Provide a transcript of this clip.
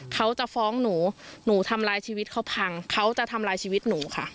เขาจะฟ้องหนูหนูทำร้ายชีวิตเขาพังเขาจะทำร้ายชีวิตหนูค่ะ